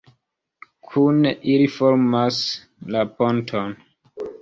Kune ili formas la ponton.